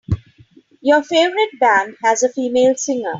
Your favorite band has a female singer.